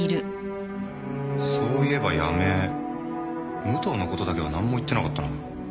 そういえば八女武藤のことだけは何も言ってなかったな。